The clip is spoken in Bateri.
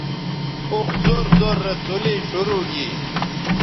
اوخ زور زور رے څلے شروع گی